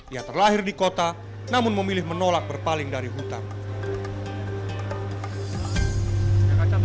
ia terlahir di kota namun memilih menolak berpaling dari hutan